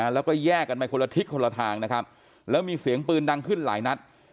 แล้วก็แยกกันไปคนละทิศคนละทางนะครับแล้วมีเสียงปืนดังขึ้นหลายนัด